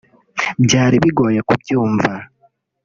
Byari bigoye kubyumva